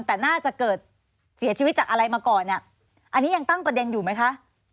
แต่น่าจะเกิดเสียชีวิตจากอะไรมาก่อนเนี่ยอันนี้ยังตั้งประเด็นอยู่ไหมคะ